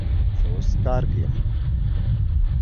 زه اوس کار کی یم